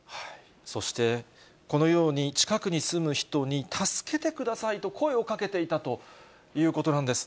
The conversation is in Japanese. そして、このように近くに住む人に助けてくださいと声をかけていたということなんです。